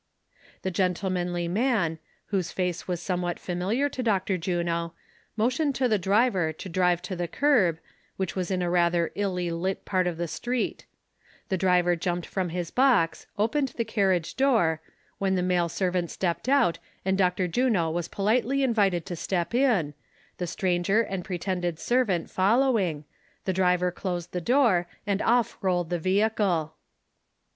The gentlemanly man, whose face was somewhat familiar to Dr. Juno, motioned to the driver to drive to the curb, which was in a rather illy lit part of the street ; the driver jumped from his box, opened the carriage door, when the male servant stepped out, and Dr. Juno was politely invited to step in, the stranger and pretended servant following, the driver closed the door, and off rolled the vehicle.